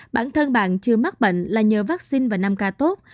bản thân bạn chưa mắc bệnh là nhờ vaccine và năm ca tốt